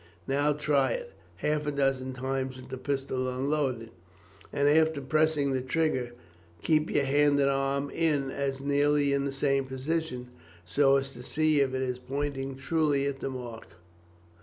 Now try it half a dozen times with the pistol unloaded, and after pressing the trigger keep your hand and arm in as nearly the same position, so as to see if it is pointing truly at the mark.